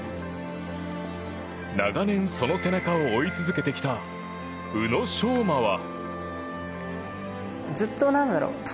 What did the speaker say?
長年、その背中を追い続けてきた宇野昌磨は。